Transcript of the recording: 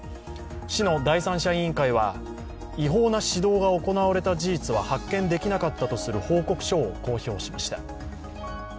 市の第三者委員会は、違法な指導が行われた事実は発見できなかったとする報告書を公表しました。